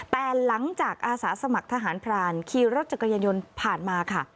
แต่หลังจากอาสาสมัครทหารพรานขี่รถจักรยานยนต์ผ่านมาค่ะ